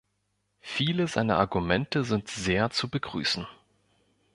Viele seiner Argumente sind sehr zu begrüßen.